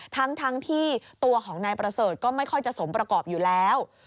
ทั้งที่ตัวของนายประเสริฐก็ไม่ค่อยจะสมประกอบอยู่แล้ว